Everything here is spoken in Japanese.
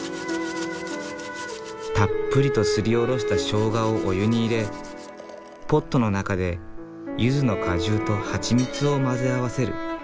たっぷりとすりおろしたショウガをお湯にいれポットの中でゆずの果汁とハチミツを混ぜ合わせる。